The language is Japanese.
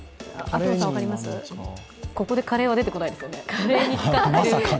ここでカレーは出てこないですよね？